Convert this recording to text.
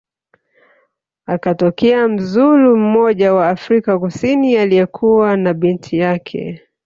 akatokea mzulu mmoja wa Afrika kusini aliyekuwa na binti yake